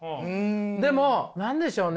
でも何でしょうね？